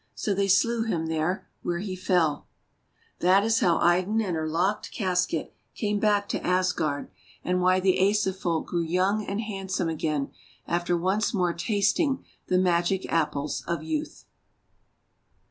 So they slew him there, where he fell. That is how Idun and her locked casket came back to Asgard, and why the Asa Folk grew young and handsome again after once more tasting the Magic Apples of Youth.